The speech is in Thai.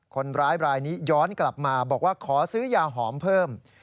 คนร้ายรายนี้ย้อนกลับมาบอกว่าขอซื้อยาหอมเพิ่ม